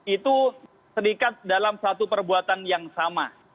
itu terikat dalam satu perbuatan yang sama